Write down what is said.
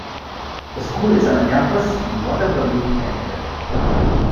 The school is on a campus in Waterbury, Connecticut.